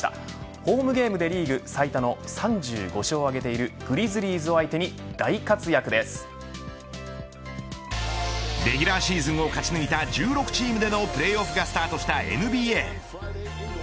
ホームページゲームでリーグ最多の３５勝を挙げているグリズリーズを相手にレギュラーシーズンを勝ち抜いた１６チームでのプレーオフがスタートしたＮＢＡ。